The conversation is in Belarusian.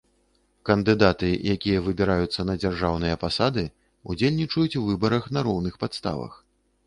Кандыдаты, якія выбіраюцца на дзяржаўныя пасады, удзельнічаюць у выбарах на роўных падставах.